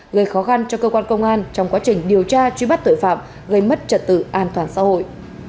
gây khó khăn cho cơ quan công an trong quá trình điều tra truy bắt tội phạm gây mất trật tự an toàn xã hội